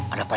ada pak rt